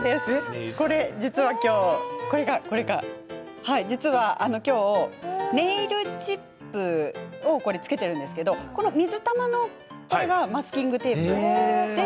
実は、これ今日ネイルチップをつけているんですけれどこの水玉のものがマスキングテープ。